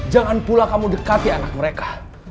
jangan pula kamu dekati anak mereka